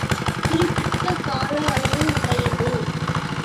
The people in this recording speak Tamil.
குறிப்பிட்ட கால அளவு உடையது.